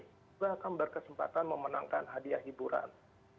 juga akan berkesempatan memenangkan hadiah hiburan